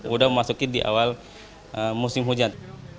udah masukin di awal musim hujan